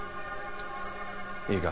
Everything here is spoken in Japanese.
いいか？